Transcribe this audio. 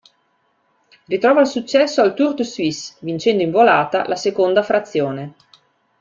Ritrova il successo al Tour de Suisse, vincendo in volata la seconda frazione.